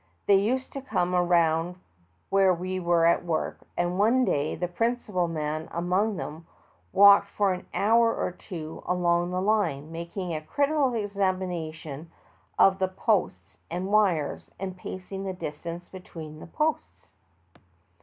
They used to come around where we were at work, and one day the principal man among them walked for an hour or two along the line, making a critical examination of the posts and wires, and pacing the distance between the posts.